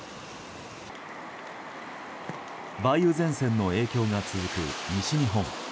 梅雨前線の影響が続く西日本。